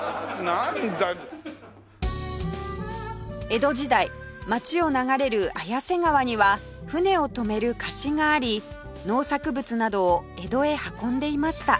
江戸時代町を流れる綾瀬川には舟を止める河岸があり農作物などを江戸へ運んでいました